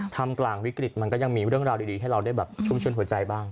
ทำกลางวิกฤตมันก็ยังมีเรื่องราวดีให้เราได้แบบชุมชนหัวใจบ้าง